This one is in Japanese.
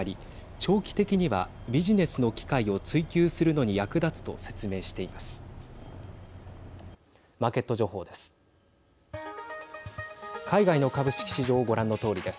長期的にはビジネスの機会を追求するのに役立つと説明しています。